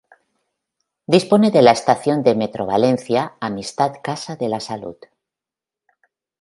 Dispone de la estación de MetroValencia Amistad-Casa de la Salut.